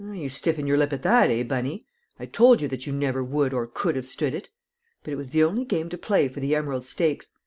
You stiffen your lip at that, eh, Bunny? I told you that you never would or could have stood it; but it was the only game to play for the Emerald Stakes.